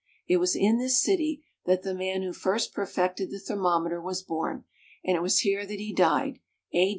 It was in this city that the man who first perfected the thermometer was born, and it was here that he died, a.